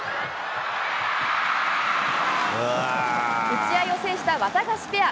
打ち合いを制したワタガシペア。